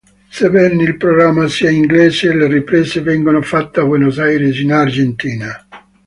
Sebbene il programma sia inglese, le riprese vengono fatte a Buenos Aires, in Argentina.